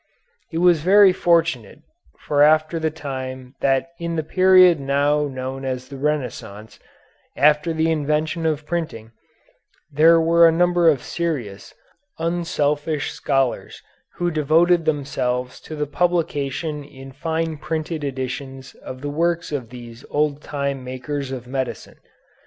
It was very fortunate for the after time that in the period now known as the Renaissance, after the invention of printing, there were a number of serious, unselfish scholars who devoted themselves to the publication in fine printed editions of the works of these old time makers of medicine.